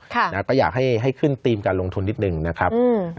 ครับก็อยากให้ขึ้นธรรมค์การลงทุนนิดนึงนะครับ